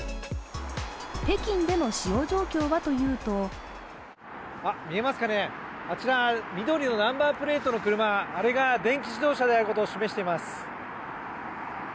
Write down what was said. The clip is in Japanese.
北京での使用状況はというと見えますかね、あちら、緑のナンバープレートの車、あれが電気自動車であることを示しています。